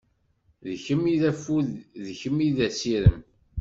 D kemm i d affud, d kemm i d asirem.